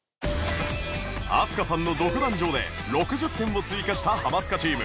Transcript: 飛鳥さんの独壇場で６０点を追加したハマスカチーム